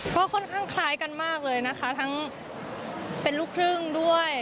ก็ค่อนข้างคล้ายกันมากเลยนะคะทั้งเป็นลูกครึ่งด้วย